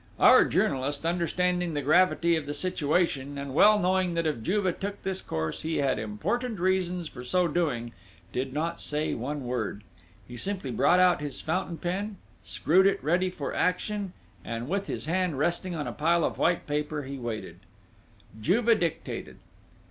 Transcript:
Our journalist, understanding the gravity of the situation, and well knowing that if Juve took this course, he had important reasons for so doing, did not say one word. He simply brought out his fountain pen, screwed it ready for action, and, with his hand resting on a pile of white paper, he waited. Juve dictated.